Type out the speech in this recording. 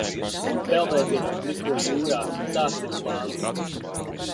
Peldēties pa pliko jūrā, tāds ir plāns!